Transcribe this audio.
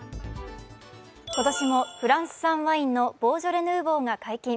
今年もフランス産ワインのボージョレ・ヌーボーが解禁。